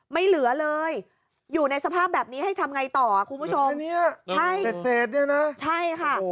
ไม่เหลือเลยอยู่ในสภาพแบบนี้ให้ทำอะไรต่อคุณผู้ชมใช่ค่ะ